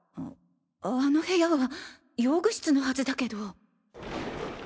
あの部屋は用具室のはずだけど。